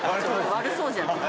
悪そうじゃない？